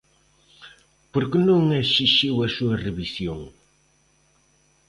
¿Por que non exixiu a súa revisión?